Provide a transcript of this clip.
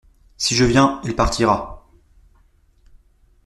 Si je viens, il partira.